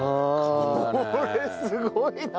これすごいな。